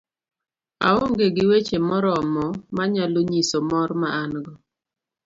aong'e gi weche moromo manyalo nyiso mor ma an go